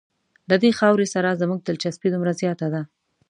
له دې خاورې سره زموږ دلچسپي دومره زیاته ده.